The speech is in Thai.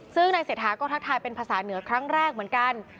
ซึ่งนายเศรษฐาก็ทักทายเป็นภาษาเหนือครั้งแรกเหมือนกัน